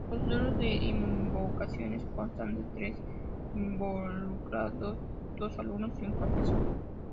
Los duelos de invocaciones constan de tres involucrados, dos alumnos y un profesor.